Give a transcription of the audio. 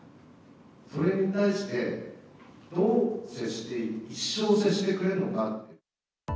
それに対して、どう接して、一生接してくれるのか。